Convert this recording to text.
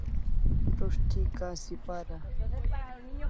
Prus't thi kasi para